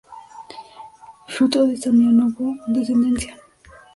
Fruto de esta unión no hubo descendencia.